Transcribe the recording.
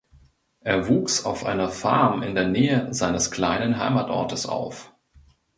Er wuchs auf einer Farm in der Nähe seines kleinen Heimatortes auf.